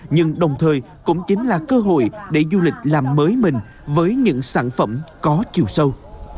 nhưng đồng thời cũng chính là cơ hội để du lịch làm mới mình với những sản phẩm có chiều sâu